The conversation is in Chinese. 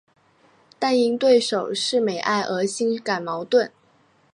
但因对手是美爱而心感矛盾。